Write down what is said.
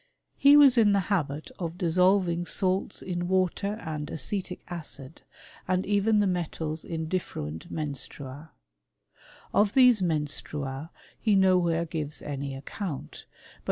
He was in the habit of dissolving salts in water and acetic acid, and even the metals in different menstrua* Of these menstrua he nowhere gives any account ; but fr.